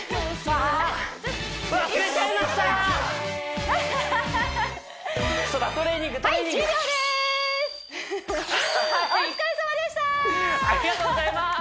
ありがとうございます